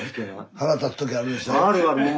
腹立つ時あるでしょう？